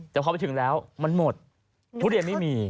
แต่พอไปถึงแล้วมันหมดทุเรียนไม่มี